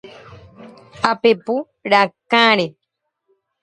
Apepu rakãre.